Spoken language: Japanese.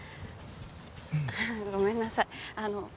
ごめんなさい。